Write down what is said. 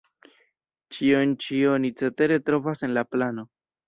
Ĉion ĉi oni cetere trovas en la plano.